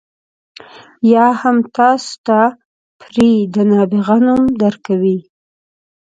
یا هم تاسو ته پرې د نابغه نوم درکوي.